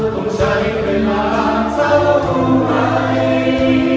ต้องใช้เวลาเท่าไหร่